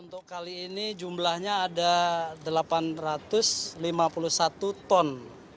untuk kali ini jumlahnya ada delapan ratus lima puluh satu ton